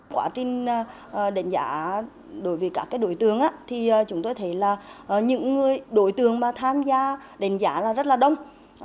quả tin đánh giá đối với các đối tường thì chúng tôi thấy là những người đối tường mà tham gia đánh giá là rất là đông